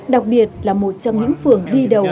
đặc biệt là một trong những phường đi đầu